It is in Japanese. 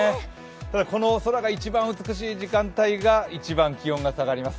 ただこの空が一番美しい時間帯が一番気温が下がります。